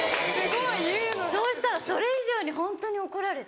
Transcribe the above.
そうしたらそれ以上にホントに怒られて。